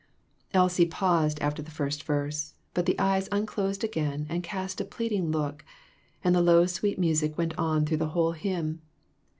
Elsie paused after the first verse, but the eyes unclosed again and cast a pleading look, and the low sweet music went on through the whole hymn.